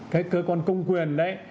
cái cơ quan công quyền đấy